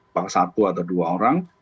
apakah satu atau dua orang